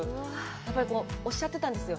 やっぱりおっしゃってたんですよ。